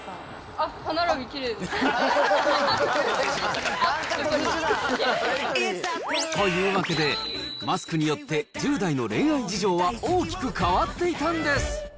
あっ、歯並びきれいです。というわけで、マスクによって、１０代の恋愛事情は大きく変わっていたんです。